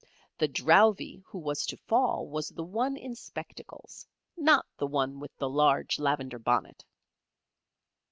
The Drowvey who was to fall was the one in spectacles, not the one with the large lavender bonnet.